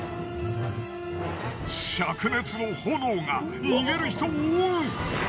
しゃく熱の炎が逃げる人を覆う。